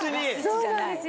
そうなんですよ。